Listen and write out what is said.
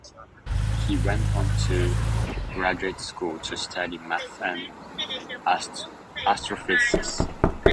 He went on to graduate school to study maths and astrophysics.